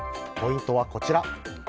ポイントはこちら。